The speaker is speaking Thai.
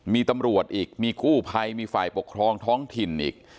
มีตำรวจอีกมีกู้ภัยมีฝ่ายปกครองท้องถิ่นอีก